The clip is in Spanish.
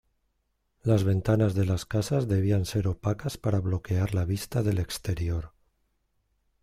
Las ventanas de las casas debían ser opacas para bloquear la vista del exterior.